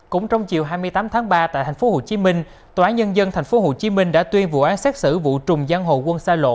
cũng trong chiều hai mươi tám tháng ba tại tp hcm tòa án nhân dân tp hcm đã tuyên vụ án xét xử vụ trùng giang hồ quân xa lộ